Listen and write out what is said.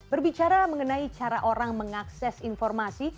berbicara mengenai cara orang mengakses informasi